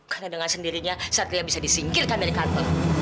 karena dengan sendirinya satria bisa disingkirkan dari kampung